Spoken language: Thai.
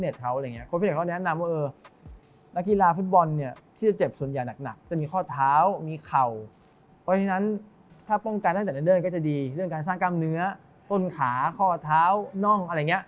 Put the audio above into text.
ถ้าไม่อยากเจ็บก็ต้องสร้างคำเนื้อก่อน